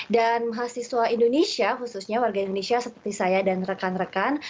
dan mahasiswa indonesia khususnya warga indonesia seperti saya dan rekan rekan